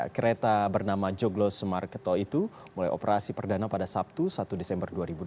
kereta bernama joglo semarketo itu mulai operasi perdana pada sabtu satu desember dua ribu delapan belas